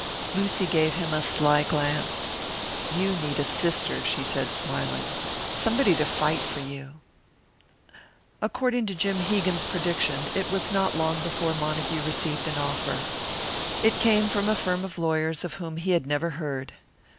Lucy gave him a sly glance. "You need a sister," she said, smiling. "Somebody to fight for you!" According to Jim Hegan's prediction, it was not long before Montague received an offer. It came from a firm of lawyers of whom he had never heard.